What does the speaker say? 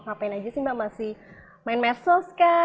ngapain aja sih mbak masih main medsos kah